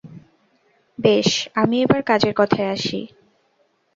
বেশ, আমি এবার কাজের কথায় আসি।